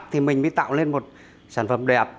thì mình mới tạo lên một sản phẩm đẹp